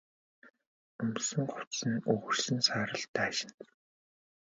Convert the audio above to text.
Өмссөн хувцас нь өгөршсөн саарал даашинз.